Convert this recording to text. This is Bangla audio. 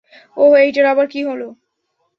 ওহ, এইটার আবার কী হলো?